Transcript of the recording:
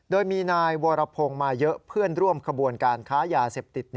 โดยมีนายวรพงศ์มาเยอะเพื่อนร่วมขบวนการค้ายาเสพติด